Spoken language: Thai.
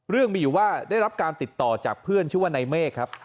เรื่องมีอยู่ว่าได้รับการติดต่อจากเพื่อนชื่อว่านายเมฆครับ